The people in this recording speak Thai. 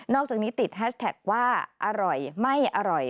อกจากนี้ติดแฮชแท็กว่าอร่อยไม่อร่อย